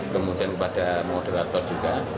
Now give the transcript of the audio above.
kemudian kepada moderator juga